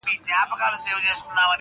شعر ماښامی یو څو روپۍ او سګرټ ,